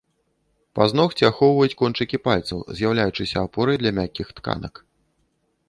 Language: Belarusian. Пазногці ахоўваюць кончыкі пальцаў, з'яўляючыся апорай для мяккіх тканак.